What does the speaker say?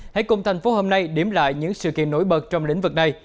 hãy cùng thành phố hôm nay điểm lại những sự kiện nổi bật trong lĩnh vực này